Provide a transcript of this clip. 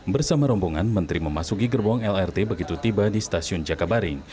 bersama rombongan menteri memasuki gerbong lrt begitu tiba di stasiun jakabaring